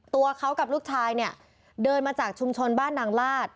ตัวเขากับลูกชายเนี่ยเดินมาจากชุมชนบ้านนางลาด